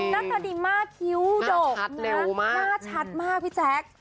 จริงน่าจะดีมากคิ้วดกน่าชัดเร็วมากน่าชัดมากพี่แจ๊ค